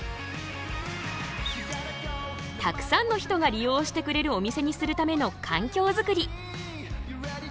たくさんの人が利用してくれるお店にするための環境づくり。